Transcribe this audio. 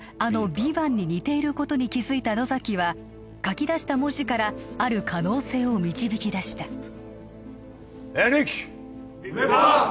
ヴィヴァンに似ていることに気づいた野崎は書き出した文字からある可能性を導き出したヴィパァン